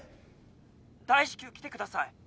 大至急来てください！